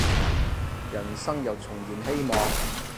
人生又重燃希望